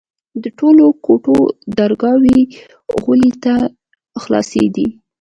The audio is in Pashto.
د ټولو کوټو درگاوې غولي ته خلاصېدې.